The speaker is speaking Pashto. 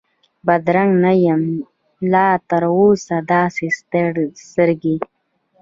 بدرنګه نه یم لا تراوسه داسي سترګې،